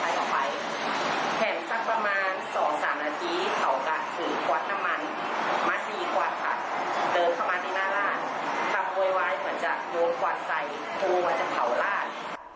ก็ก็จะโหวะขวาใส้หูก็จะเผาร้าน